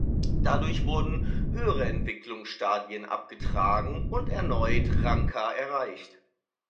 Dadurch wurden höhere Entwicklungsstadien abgetragen und erneut Ranker erreicht.